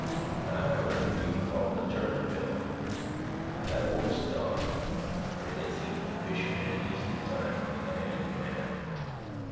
"I reckon you've called the turn, Bill. That wolf's a dog, an' it's eaten fish many's the time from the hand of man."